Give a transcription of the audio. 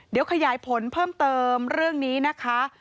เดี๋ยวขยายผลเพิ่มเติมเรื่องนี้นะคะ